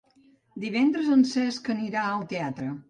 Divendres en Cesc anirà al teatre.